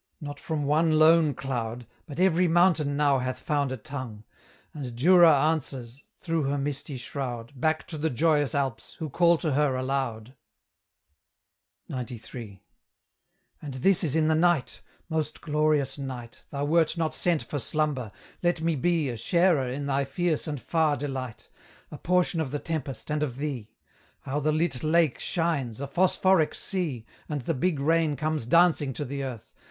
Not from one lone cloud, But every mountain now hath found a tongue; And Jura answers, through her misty shroud, Back to the joyous Alps, who call to her aloud! XCIII. And this is in the night: Most glorious night! Thou wert not sent for slumber! let me be A sharer in thy fierce and far delight A portion of the tempest and of thee! How the lit lake shines, a phosphoric sea, And the big rain comes dancing to the earth!